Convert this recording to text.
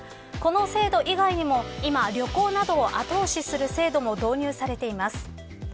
この制度以外にも今、旅行などを後押しする制度も導入されています。